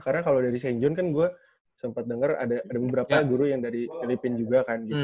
karena kalau dari st john kan gue sempat denger ada beberapa guru yang dari filipina juga kan